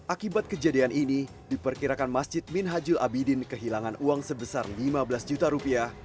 akibat kejadian ini diperkirakan masjid min hajil abidin kehilangan uang sebesar lima belas juta rupiah